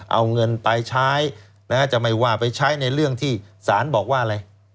เอาเงินไปใช้จะไม่ว่าไปใช้ในเรื่องที่สารบอกว่าอะไร